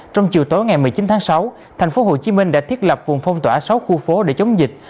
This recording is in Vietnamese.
trong chiều tối ngày một mươi chín tháng sáu thành phố hồ chí minh đã thiết lập vùng phong tỏa sáu khu phố để chống dịch